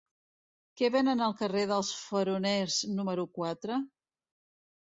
Què venen al carrer dels Faroners número quatre?